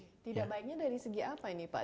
tidak baiknya dari segi apa ini pak